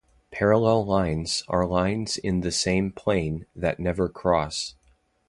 Parallel lines are lines in the same plane that never cross.